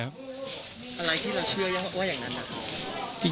อะไรที่เราเชื่อว่าอย่างนั้น